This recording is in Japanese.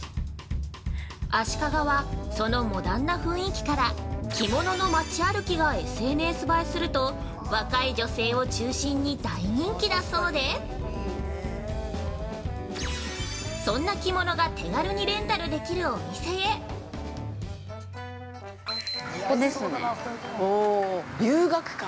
◆足利はそのモダンな雰囲気から着物の街歩きがＳＮＳ映えすると若い女性を中心に大人気だそうでそんな着物が手軽にレンタルできるお店へ遊学館。